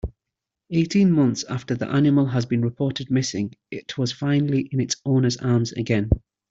Eighteen months after the animal has been reported missing it was finally in its owner's arms again.